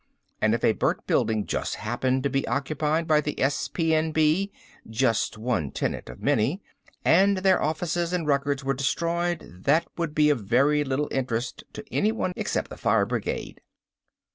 And if a burnt building just happened to be occupied by the S.P.N.B. just one tenant of many and their offices and records were destroyed; that would be of very little interest to anyone except the fire brigade."